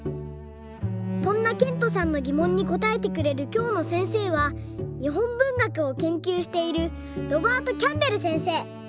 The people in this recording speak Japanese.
そんなけんとさんのぎもんにこたえてくれるきょうのせんせいは日本文学を研究しているロバート・キャンベルせんせい。